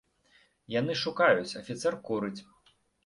Яны шукаюць, афіцэр курыць.